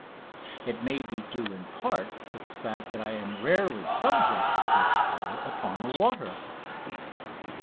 It may be due in part to the fact that I am rarely subject to this ill upon the water.